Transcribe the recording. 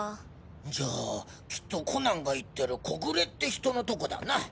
じゃあきっとコナンが行ってる小暮って人のとこだな。